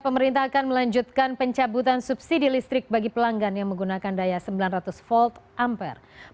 pemerintah akan melanjutkan pencabutan subsidi listrik bagi pelanggan yang menggunakan daya sembilan ratus volt ampere